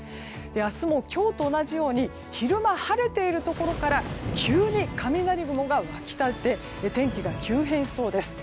明日も今日と同じように昼間、晴れているところから急に雷雲が湧き立って天気が急変しそうです。